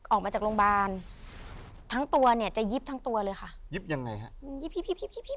ออกมาจากโรงบาลทั้งตัวเนี่ยจะยิบทั้งตัวเลยค่ะยิบยังไงฮะยิบยิบยิบยิบยิบยิบยิบ